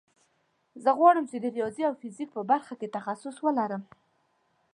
زه غواړم چې د ریاضي او فزیک په برخه کې تخصص ولرم